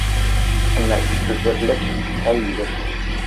Әммә түҙерлек хәл юҡ.